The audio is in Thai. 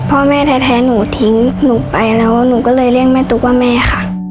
พ่อแม่แท้หนูทิ้งหนูไปแล้วหนูก็เลยเรียกแม่ตุ๊กว่าแม่ค่ะ